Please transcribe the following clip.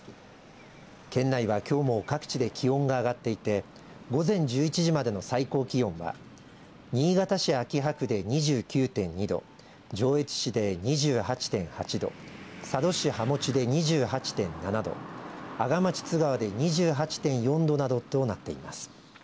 県内はきょうも各地で気温が上がっていて午前１１時までの最高気温は新潟市秋葉区で２９．２度上越市で２８．８度佐渡市羽茂で２８．７度阿賀町津川で２８．４度などとなっています。